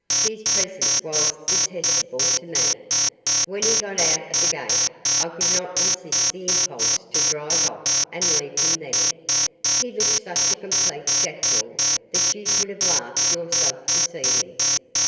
His presence was detestable to me. When he got out at the gate I could not resist the impulse to drive off and leave him there. He looked such a complete jackdaw that you would have laughed yourself to see him."